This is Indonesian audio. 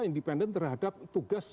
independen terhadap tugas